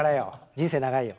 人生長いよ。